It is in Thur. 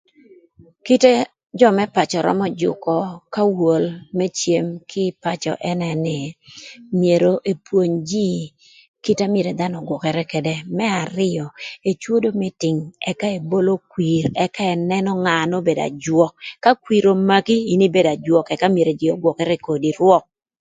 Kite jö më pacö römö jükö k'awol më cem kï ï pacö ënë nï myero epwony jïï kite na myero dhanö ögwökërë këdë, më arïö ecwodo mïtïng ëka ebolo kwir ëka ënënö nga n'obedo ajwök ka kwir omaki in ibedo ajwök ëka jïï myero ëgwökërë kodi rwök